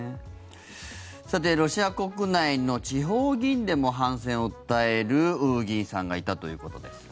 さてロシア国内の地方議員でも反戦を訴える議員さんがいたということです。